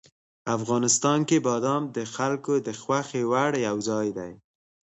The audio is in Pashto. افغانستان کې بادام د خلکو د خوښې وړ یو ځای دی.